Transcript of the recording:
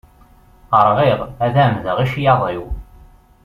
Rɣiɣ, ad ɛemmdeɣ i ccyaḍ-iw.